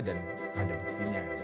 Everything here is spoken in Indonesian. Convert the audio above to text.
dan ada buktinya